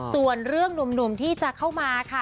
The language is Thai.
ส่วนเรื่องหนุ่มที่จะเข้ามาค่ะ